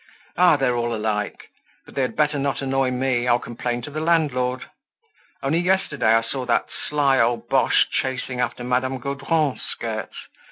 Ah! they're all alike; but they had better not annoy me! I'll complain to the landlord. Only yesterday I saw that sly old Boche chasing after Madame Gaudron's skirts.